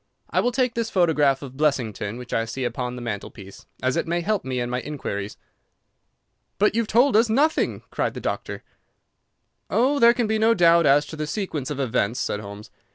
I will take this photograph of Blessington, which I see upon the mantelpiece, as it may help me in my inquiries." "But you have told us nothing!" cried the doctor. "Oh, there can be no doubt as to the sequence of events," said Holmes.